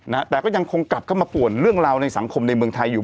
นะฮะแต่ก็ยังคงกลับเข้ามาป่วนเรื่องราวในสังคมในเมืองไทยอยู่